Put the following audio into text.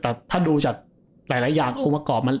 แต่ถ้าดูจากหลายอย่างองค์มาก้อง